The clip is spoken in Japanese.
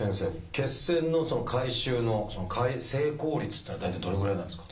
血栓の回収の成功率っていうのは大体どれぐらいなんですか？